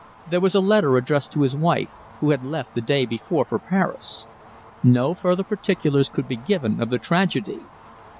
There was a letter addressed to his wife, who had left the day before for Paris. No further particulars could be given of the tragedy.